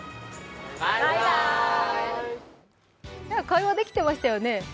会話できてましたよね。